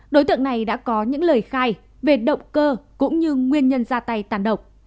đối tượng này đã có những lời khai về động cơ cũng như nguyên nhân ra tay tàn độc